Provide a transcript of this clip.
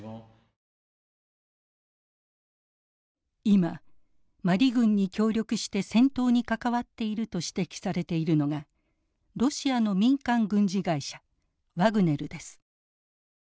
今マリ軍に協力して戦闘に関わっていると指摘されているのがロシアの民間軍事会社ワグネルです。